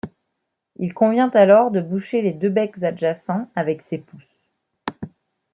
Il convient alors de boucher les deux becs adjacents avec ses pouces.